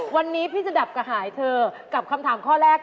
วันนี้พี่จะดับกระหายเธอกับคำถามข้อแรก